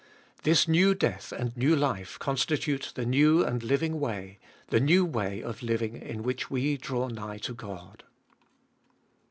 This new death and new life constitute the new and living way, the new way of living in which we draw nigh to God.